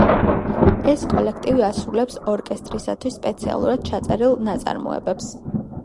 ეს კოლექტივი ასრულებს ორკესტრისათვის სპეციალურად დაწერილ ნაწარმოებებს.